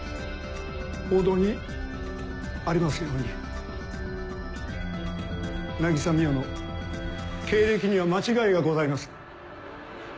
報道にありますように渚海音の経歴には間違いがございます。